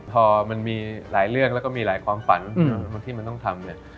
พอมันมีหลายเรื่องแล้วก็มีหลายความฝันที่มันต้องทำเนี่ย